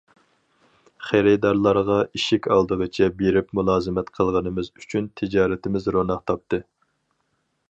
خېرىدارغا ئىشىك ئالدىغىچە بېرىپ مۇلازىمەت قىلغىنىمىز ئۈچۈن تىجارىتىمىز روناق تاپتى.